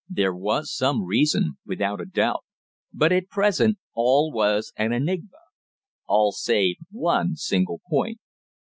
There was some reason, without a doubt; but at present all was an enigma all save one single point.